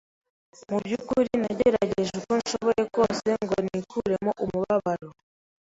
Mu byukuri nagerageje uko nshoboye kose ngo nikuremo umubabaro